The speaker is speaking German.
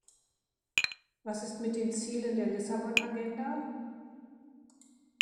Was ist mit den Zielen der Lissabon-Agenda?